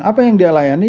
apa yang dia layani